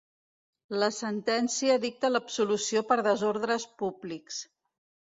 La sentència dicta l’absolució per desordres públics.